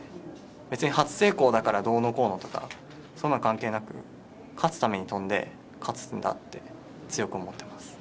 別に初成功だからどうのこうのとかそんなの関係なく勝つために跳んで勝つんだって強く思ってます。